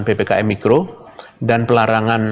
ppkm mikro dan pelarangan